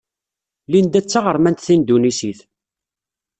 Linda d taɣermant tindunisit.